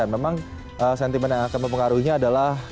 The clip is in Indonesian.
memang sentimen yang akan mempengaruhinya adalah